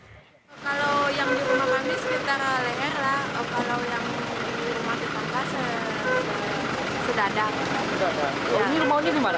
kalau yang di rumah kami sekitar leher lah